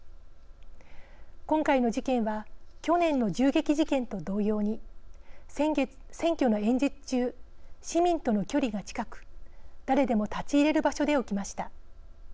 今回の事件は去年の銃撃事件と同様に選挙の演説中市民との距離が近く誰でも立ち入れる場所で起きました。